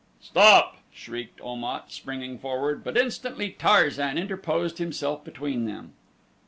"Stop!" shrieked Om at, springing forward; but instantly Tarzan interposed himself between them.